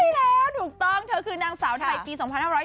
แล้วถูกต้องเธอคือนางสาวไทยปี๒๕๖๐